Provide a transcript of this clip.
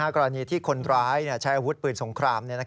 กรณีที่คนร้ายใช้อาวุธปืนสงคราม